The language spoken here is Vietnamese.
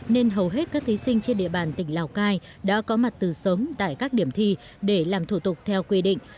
nên hầu hết các thí sinh trên địa bàn tỉnh lào cai đã có mặt từ sớm tại các điểm thi để làm thủ tục theo quy định